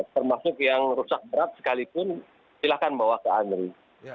termasuk yang rusak berat sekalipun silakan bawa ke andri